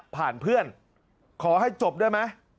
เพื่อนขอให้จบได้ไหม